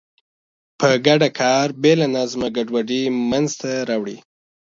په ګډه کار بې له نظمه ګډوډي منځته راوړي.